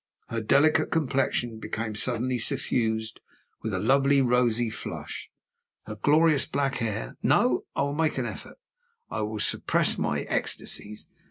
Her delicate complexion became suddenly suffused with a lovely rosy flush. Her glorious black hair no! I will make an effort, I will suppress my ecstasies.